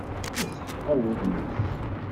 Iseḥḥa wudem-is.